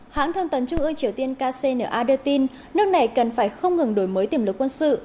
hãng thông tấn trung ương triều tiên kcna đưa tin nước này cần phải không ngừng đổi mới tìm lực quân sự